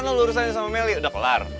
gimana lu urusan sama meli udah kelar